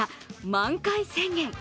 満開宣言。